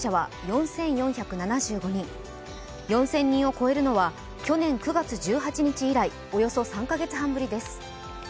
４０００人を超えるのは去年９月１８日以来、およそ３カ月半ぶりです。